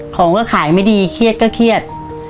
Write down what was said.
ของก็ขายไม่ดีเครียดก็เครียด